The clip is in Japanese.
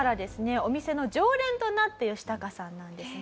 お店の常連となったヨシタカさんなんですが。